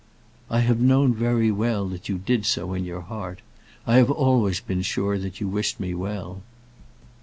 "I have known very well that you did so in your heart. I have always been sure that you wished me well."